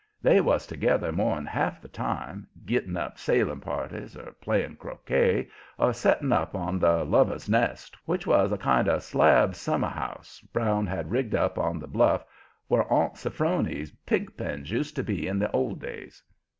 They was together more'n half the time, gitting up sailing parties, or playing croquet, or setting up on the "Lover's Nest," which was a kind of slab summer house Brown had rigged up on the bluff where Aunt Sophrony's pig pens used to be in the old days.